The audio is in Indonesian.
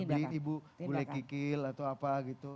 bagi ibu bule kikil atau apa gitu